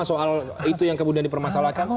soal itu yang kemudian dipermasalahkan